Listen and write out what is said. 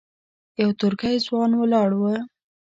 یو ترکی ځوان ولاړ و.